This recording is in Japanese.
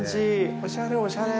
おしゃれ、おしゃれ。